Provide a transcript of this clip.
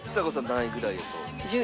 何位ぐらいやと？